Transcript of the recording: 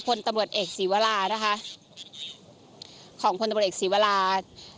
พลตำรวจเอกศีวรานะคะของพลตำรวจเอกศีวรา